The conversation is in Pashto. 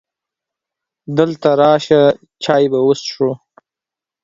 دلته راشه! چای به وڅښو .